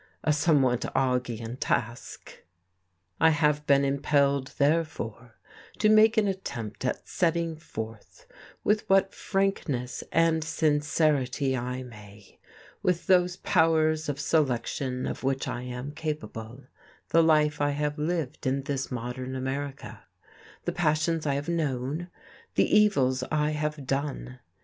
A somewhat Augean task! I have been impelled therefore to make an attempt at setting forth, with what frankness and sincerity I may, with those powers of selection of which I am capable, the life I have lived in this modern America; the passions I have known, the evils I have done.